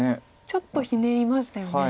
ちょっとひねりましたよね。